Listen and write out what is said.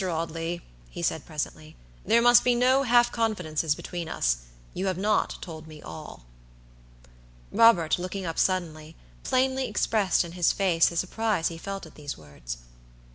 Audley," he said, presently, "there must be no half confidences between us. You have not told me all." Robert, looking up suddenly, plainly expressed in his face the surprise he felt at these words.